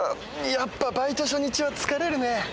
やっぱバイト初日は疲れるね。